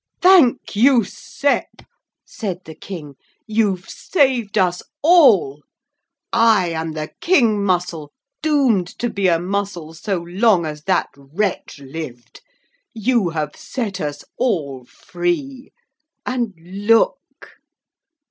'Thank you, Sep,' said the King, 'you've saved us all. I am the King Mussel, doomed to be a mussel so long as that wretch lived. You have set us all free. And look!'